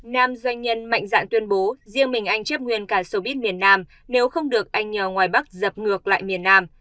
nam doanh nhân mạnh dạng tuyên bố riêng mình anh chép nguyên cả xô bít miền nam nếu không được anh nhờ ngoài bắc dập ngược lại miền nam